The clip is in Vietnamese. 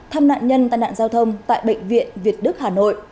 thăm nạn nhân tai nạn giao thông tại bệnh viện việt đức hà nội